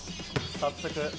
早速。